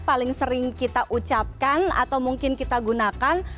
paling sering kita ucapkan atau mungkin kita gunakan